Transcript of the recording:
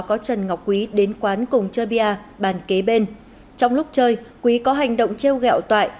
có trần ngọc quý đến quán cùng chơi bia bàn kế bên trong lúc chơi quý có hành động treo gẹo toại